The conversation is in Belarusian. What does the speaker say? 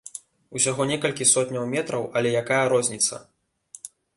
Усяго некалькі сотняў метраў, але якая розніца.